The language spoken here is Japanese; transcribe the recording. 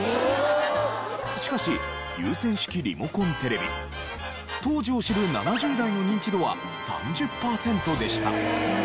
しかし有線式リモコンテレビ当時を知る７０代のニンチドは３０パーセントでした。